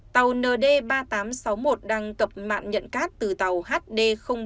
tàu nd ba nghìn tám trăm sáu mươi một đang cập mạng nhận cát từ tàu hd bốn trăm tám mươi hai